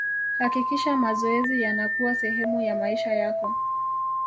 hakikisha mazoezi yanakuwa sehemu ya maisha yako